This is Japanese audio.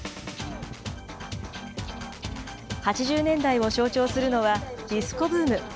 ８０年代を象徴するのはディスコブーム。